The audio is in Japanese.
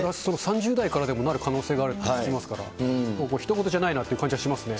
３０代からでもなる可能があると聞きますから、もうひと事じゃないなという感じはしますね。